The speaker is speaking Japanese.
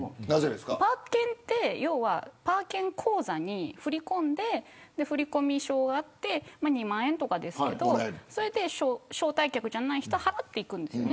パー券って要はパー券口座に振り込んで振込証があって２万円とかですけどそれで招待客じゃない人に払っていくんです。